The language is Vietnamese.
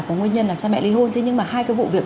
có nguyên nhân là cha mẹ ly hôn thế nhưng mà hai cái vụ việc